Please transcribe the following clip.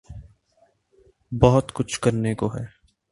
بہت کچھ کرنے کو ہے۔